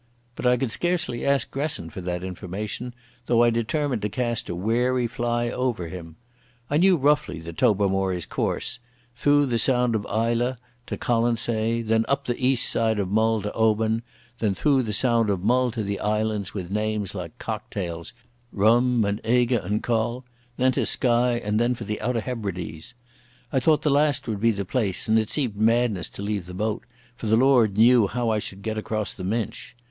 But I could scarcely ask Gresson for that information, though I determined to cast a wary fly over him. I knew roughly the Tobermory's course—through the Sound of Islay to Colonsay; then up the east side of Mull to Oban; then through the Sound of Mull to the islands with names like cocktails, Rum and Eigg and Coll; then to Skye; and then for the Outer Hebrides. I thought the last would be the place, and it seemed madness to leave the boat, for the Lord knew how I should get across the Minch.